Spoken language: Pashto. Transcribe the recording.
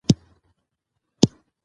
د دې دوائي مثال د بې ساکۍ دے